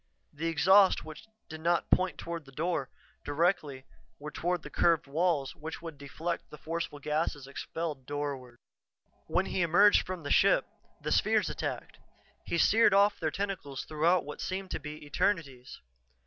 The exhausts which did not point toward the door, directly, were toward the curved walls which would deflect the forceful gasses expelled doorward. When he emerged from the ship, the spheres attacked. He seared off their tentacles throughout what seemed to be eternities.